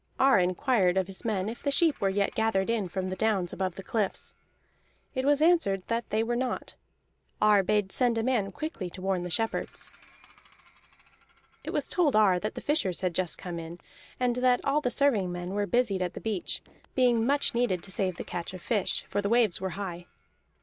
Ar inquired of his men if the sheep were yet gathered in from the downs above the cliffs. It was answered that they were not. Ar bade send a man quickly to warn the shepherds. It was told Ar that the fishers had just come in, and that all the serving men were busied at the beach, being much needed to save the catch of fish, for the waves were high.